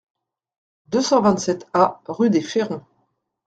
deux cent vingt-sept A rue des Ferrons